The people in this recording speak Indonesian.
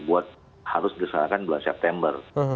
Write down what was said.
buat harus diserahkan bulan september